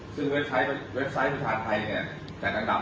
ซึ่งเว็บไซต์ประชาญไทยเนี่ย